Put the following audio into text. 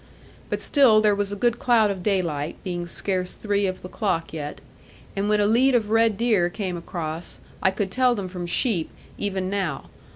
But still there was a good cloud of daylight, being scarce three of the clock yet, and when a lead of red deer came across, I could tell them from sheep even now.